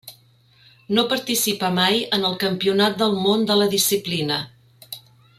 No participà mai en el Campionat del Món de la disciplina.